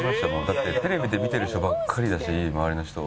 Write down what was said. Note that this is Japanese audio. だってテレビで見てる人ばっかりだし周りの人。